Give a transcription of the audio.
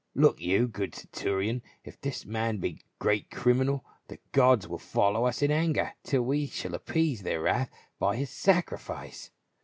Look you, good centurion, if this man be a great criminal, the gods will follow us in anger till we shall appease their wrath by his sacri fice."